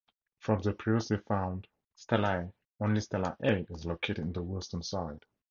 From the previously found stelae, only Stela A is located in the western side.